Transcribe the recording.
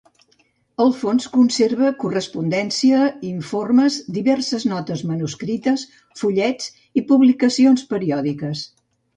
El fons conserva correspondència, informes, diverses notes manuscrites, fullets i publicacions periòdiques.